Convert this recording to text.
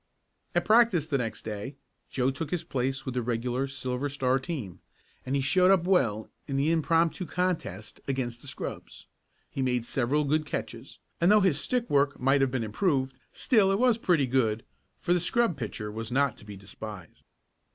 At practice the next day Joe took his place with the regular Silver Star team, and he showed up well in the impromptu contest against the scrubs. He made several good catches, and though his stick work might have been improved, still it was pretty good, for the scrub pitcher was not to be despised.